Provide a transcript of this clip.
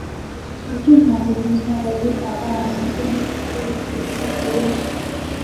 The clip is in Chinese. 与正常形势下的依法办案、履行监督职责要求